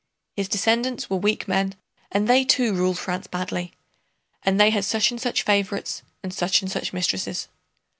His descendants were weak men and they too ruled France badly. And they had such and such favorites and such and such mistresses.